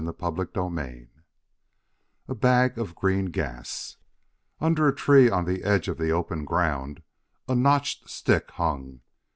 CHAPTER XIV A Bag of Green Gas Under a tree on the edge of the open ground a notched stick hung.